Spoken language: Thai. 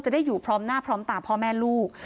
ได้อยู่พร้อมหน้าพร้อมตาพ่อแม่ลูก